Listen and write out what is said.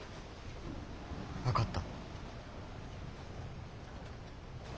分かった。